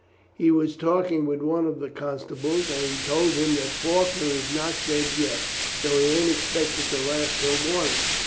He was talking with one of the constables, and he told him that Faulkner is not dead yet, though he ain't expected to last till morning.